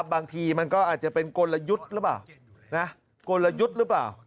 บางทีมันก็อาจจะเป็นกลยุทธ์หรือเปล่า